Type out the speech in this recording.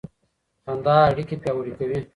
خندا اړیکې پیاوړې کوي.